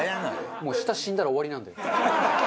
もう舌死んだら終わりなんで。